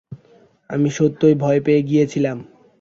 আমি সত্যিই ভয় পেয়ে গিয়েছিলাম।